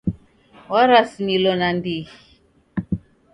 Warasimilo nandighi.